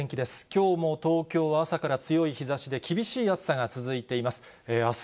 きょうも東京は朝から強い日ざしで、厳しい暑さが続いています。